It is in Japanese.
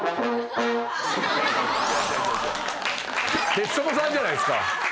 テツトモさんじゃないですか。